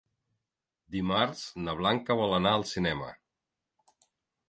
Dimarts na Blanca vol anar al cinema.